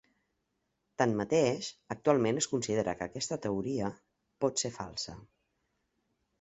Tanmateix, actualment es considera que aquesta teoria pot ser falsa.